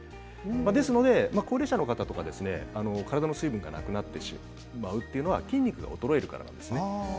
ですので高齢者の方とか体の水分がなくなってしまうというのは筋肉が衰えるからですね。